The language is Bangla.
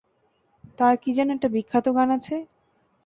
তার কী যেন একটা বিখ্যাত গান আছে?